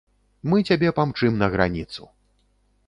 Мы цябе памчым на граніцу.